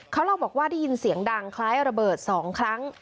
เขาเล่าบอกว่าได้ยินเสียงดังคล้ายระเบิด๒ครั้ง